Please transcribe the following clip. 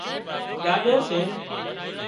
ڏاڏو سي